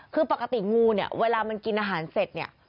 คือปกติงูเนี่ยเวลามันกินอาหารเสร็จเนี่ย